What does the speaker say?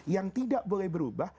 yang tidak boleh berubah